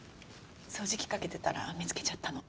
掃除機かけてたら見つけちゃったの。